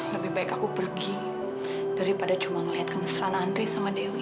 lebih baik aku pergi daripada cuma ngeliat kemesraan andri sama dewi